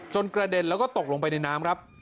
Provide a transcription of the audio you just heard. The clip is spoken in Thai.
กระเด็นแล้วก็ตกลงไปในน้ำครับ